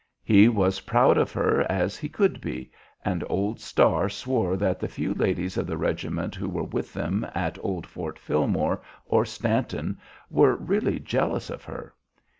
He was proud of her as he could be, and old Starr swore that the few ladies of the regiment who were with them at old Fort Fillmore or Stanton were really jealous of her.